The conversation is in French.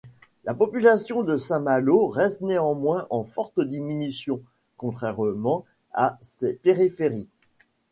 La population de Saint-Malo reste néanmoins en forte diminution, contrairement à ses périphéries.